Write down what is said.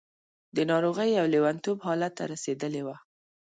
د ناروغۍ او لېونتوب حالت ته رسېدلې وه.